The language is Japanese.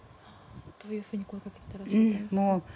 どういうふうに声をかけていたんですか？